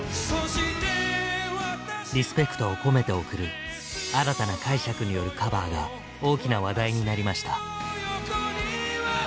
リスペクトを込めて贈る新たな解釈によるカバーが大きな話題になりました。